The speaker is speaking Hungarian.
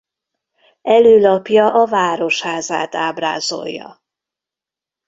Előlapja a Városházát ábrázolja.